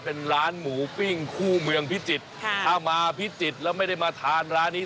เป็นร้านหมูปิ้งคู่เมืองพิจิตรถ้ามาพิจิตรแล้วไม่ได้มาทานร้านนี้